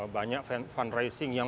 banyak fundraising yang